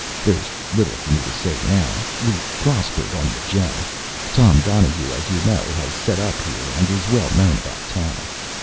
There’s little for me to say now. We prospered on the gem. Tom Donahue, as you know, has set up here, and is well known about town.